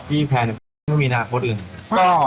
พี่แพนไม่มีนาฟส์อื่น